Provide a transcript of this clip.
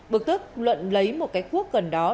bực tức luận lấy một cái cuốc gần đó